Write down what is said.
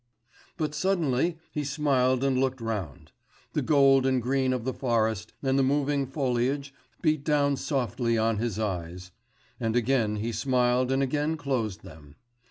but suddenly he smiled and looked round; the gold and green of the forest, and the moving foliage beat down softly on his eyes and again he smiled and again closed them.